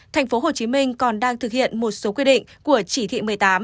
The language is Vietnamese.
tp hcm còn đang thực hiện một số quy định của chỉ thị một mươi tám